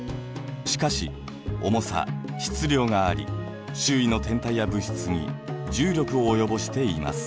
しかし重さ・質量があり周囲の天体や物質に重力を及ぼしています。